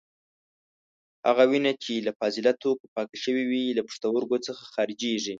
هغه وینه چې له فاضله توکو پاکه شوې وي له پښتورګو څخه خارجېږي.